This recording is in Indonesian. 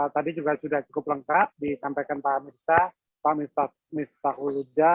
tadi juga sudah cukup lengkap disampaikan pak mirza pak mistahuludha